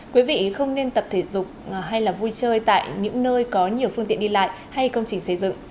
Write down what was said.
quý vị không nên tập thể dục hay là vui chơi tại những nơi có nhiều phương tiện đi lại hay công trình xây dựng